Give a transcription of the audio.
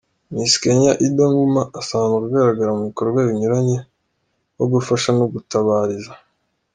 Miss Kenya Idah Nguma, asanzwe agaragara mu bikorwa binyuranye bo gufasha no gutabariza.